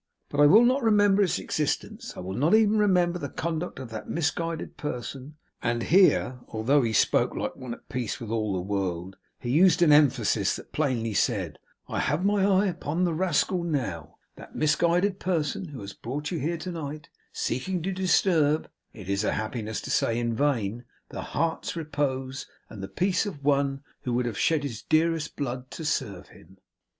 But I will not remember its existence. I will not even remember the conduct of that misguided person' and here, although he spoke like one at peace with all the world, he used an emphasis that plainly said "I have my eye upon the rascal now" 'that misguided person who has brought you here to night, seeking to disturb (it is a happiness to say, in vain) the heart's repose and peace of one who would have shed his dearest blood to serve him.